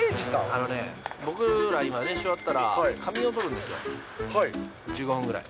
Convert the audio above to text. あのね、僕ら今、練習終わったら、仮眠を取るんですよ、１５分ぐらい。